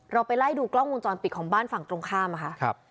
เราไปไล่ดูกล้องมูลจอลปิดของบ้านฝั่งตรงข้ามมาค่ะครับ